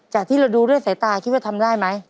จากที่เราดูด้วยสายตาคิดว่าทำได้ไหม